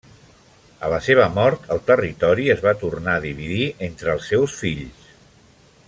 A la seva mort el territori es va tornar a dividir entre els seus fills.